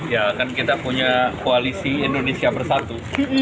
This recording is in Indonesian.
ya kan kita punya koalisi indonesia bersatu